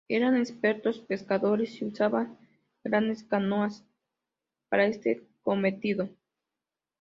Eran expertos pescadores y usaban grandes canoas para este cometido.